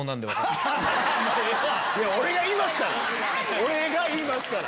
俺が言いますから。